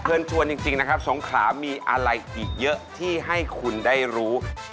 เชิญชวนจริงนะครับสงขลามีอะไรอีกเยอะที่ให้คุณได้รู้